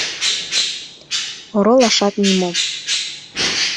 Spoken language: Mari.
Оролашат нимом.